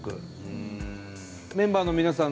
メンバーの皆さん